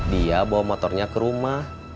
dia bawa motornya ke rumah